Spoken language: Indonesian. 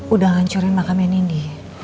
udah hancurin makam yang ini